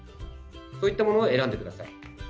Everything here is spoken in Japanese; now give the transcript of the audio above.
そういったものを選んでください。